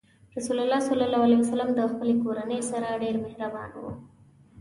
رسول الله ﷺ د خپلې کورنۍ سره ډېر مهربان و.